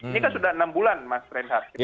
ini kan sudah enam bulan mas reinhardt